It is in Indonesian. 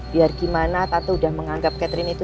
biar gimana tata udah menganggap catherine itu